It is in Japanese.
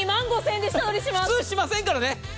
普通しませんからね！